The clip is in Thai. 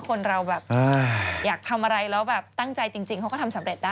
คนเราแบบอยากทำอะไรแล้วแบบตั้งใจจริงเขาก็ทำสำเร็จได้